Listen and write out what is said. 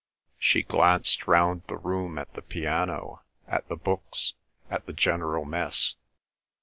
She glanced round the room at the piano, at the books, at the general mess.